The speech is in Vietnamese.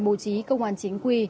bố trí công an chính quy